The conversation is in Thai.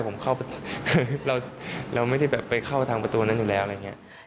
ผมเข้าไปเราไม่ได้แบบไปเข้าทางประตูนั้นอยู่แล้วอะไรอย่างนี้